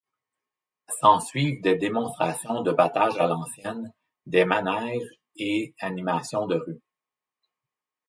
S'en suivent des démonstrations de battage à l’ancienne, des manèges et animations de rue.